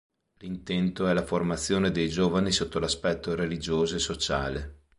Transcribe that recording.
L'intento è la formazione dei giovani sotto l'aspetto religioso e sociale.